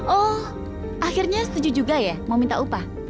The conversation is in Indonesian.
oh akhirnya setuju juga ya mau minta upah